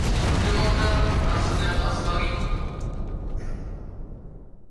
demanda Rasseneur à Souvarine.